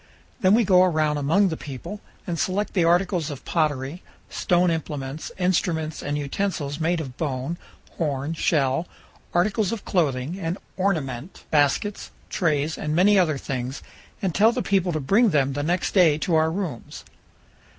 Then we go around among the people and select the articles of pottery, stone implements, instruments and utensils made of bone, horn, shell, articles of clothing and ornament, baskets, trays, and many other things, and tell the people to bring them the next day to our rooms.